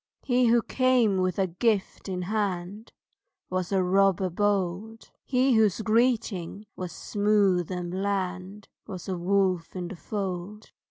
He who came with a gift in hand Was a robber bold. He whose greeting was smooth and bland Was a wolf in the fold.